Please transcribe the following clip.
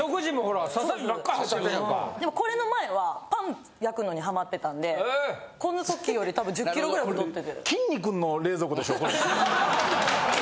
でもこれの前はパン焼くのにハマってたんでこの時より多分１０キロぐらい太ってて。